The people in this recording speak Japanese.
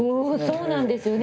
そうなんですよね。